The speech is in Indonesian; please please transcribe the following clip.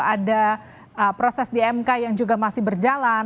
ada proses di mk yang juga masih berjalan